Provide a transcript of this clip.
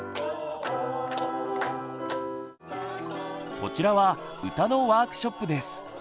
こちらは歌のワークショップです。